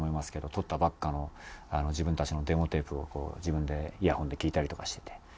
録ったばっかの自分たちのデモテープをこう自分でイヤホンで聴いたりとかしてて。